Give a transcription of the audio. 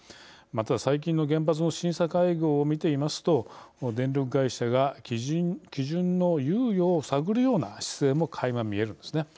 ただ最近の原発の審査会合を見ていますと電力会社が基準の猶予を探るような姿勢もかいま見えるんですね。